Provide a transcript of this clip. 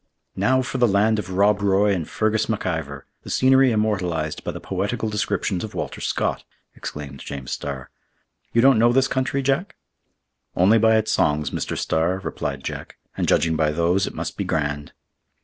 "Now for the land of Rob Roy and Fergus MacIvor!—the scenery immortalized by the poetical descriptions of Walter Scott," exclaimed James Starr. "You don't know this country, Jack?" "Only by its songs, Mr. Starr," replied Jack; "and judging by those, it must be grand."